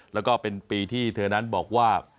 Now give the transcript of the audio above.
แล้วก็เป็นปีที่เธอนั้นบอกว่า